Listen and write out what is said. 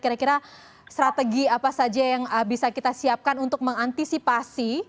kira kira strategi apa saja yang bisa kita siapkan untuk mengantisipasi